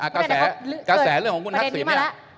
กระแสเรื่องของคุณทักษิณเนี่ย